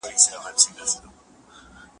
نجونې پسنیږي، خاندي